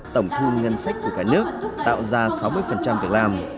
ba mươi một tổng thun ngân sách của cả nước tạo ra sáu mươi việc làm